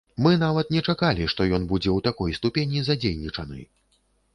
Мы нават не чакалі, што ён будзе ў такой ступені задзейнічаны.